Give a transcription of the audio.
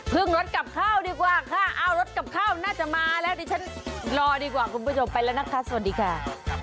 รถกลับข้าวดีกว่าค่ะเอารถกับข้าวน่าจะมาแล้วดิฉันรอดีกว่าคุณผู้ชมไปแล้วนะคะสวัสดีค่ะ